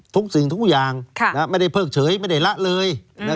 ทุกสิ่งทุกอย่างไม่ได้เพิกเฉยไม่ได้ละเลย